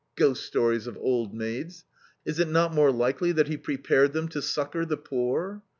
Ghost stories of old maids. Is it not more likely that he prepared them to succor the poor?